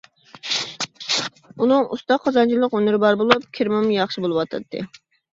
ئۇنىڭ ئۇستا قازانچىلىق ھۈنىرى بار بولۇپ، كىرىمىمۇ ياخشى بولۇۋاتاتتى.